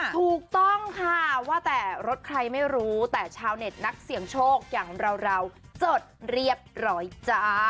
ถูกต้องค่ะว่าแต่รถใครไม่รู้แต่ชาวเน็ตนักเสี่ยงโชคอย่างเราจดเรียบร้อยจ้า